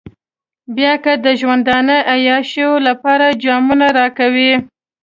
بيا که د ژوندانه عياشيو لپاره جامونه راکوئ.